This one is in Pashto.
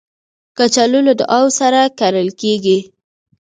کچالو له دعاوو سره کرل کېږي